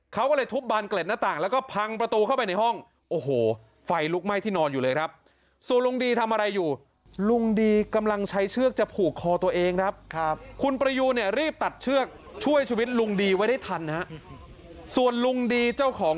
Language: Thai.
เขาก็เลยทุบบานเกล็ดหน้าต่างแล้วก็พังประตูเข้าไปในห้อง